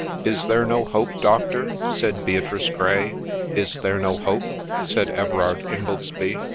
f Is there no hope, Doctor ?' said Beatrice Grey. ' Is there no hope ?' said Everard Ingoldsby.